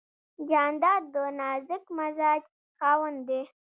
جانداد د نازک مزاج خاوند دی.